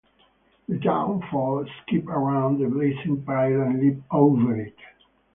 The young folk skip around the blazing pile and leap over it.